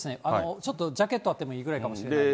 ちょっとジャケットあってもいいぐらいかもしれないです。